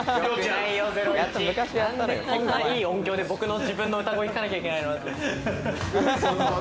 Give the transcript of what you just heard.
なんでこんないい音響で自分の歌声聞かなきゃいけないの。